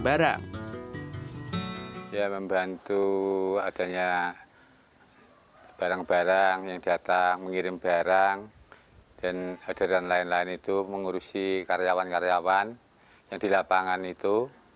barang ya membantu adanya barang barang yang datang mengirim barang dan hadiran lain lain itu mengurusi karyawan karyawan yang di lapangan itu